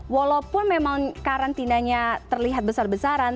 walaupun memang karantinanya terlihat besar besaran